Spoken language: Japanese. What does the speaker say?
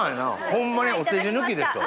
ホンマにお世辞抜きですよ。